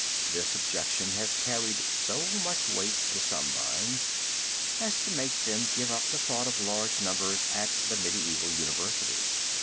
This objection has carried so much weight to some minds as to make them give up the thought of large numbers at the medieval universities.